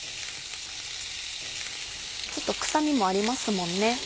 ちょっと臭みもありますもんね。